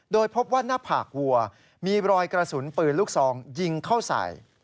โดยพบว่าหน้าผากวัวมีรอยกระสุนปืนลูกซองยิงเข้าใส่